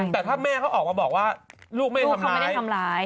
แต่ถ้าแม่เขาออกมาบอกว่าลูกแม่เขาไม่ได้ทำร้าย